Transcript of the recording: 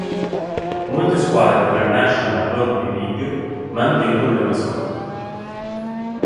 Molte squadre della National Rugby League mantengono le mascotte.